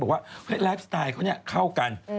บอกว่าไลฟ์สไตล์เขาเนี่ยเข้ากัน